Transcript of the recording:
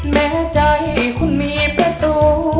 แม้ใจคุณมีประตู